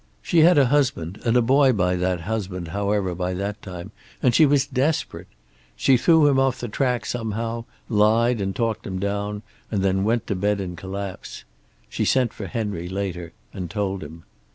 She had a husband and a boy by that husband, however, by that time, and she was desperate. She threw him off the track somehow, lied and talked him down, and then went to bed in collapse. She sent for Henry later and told him.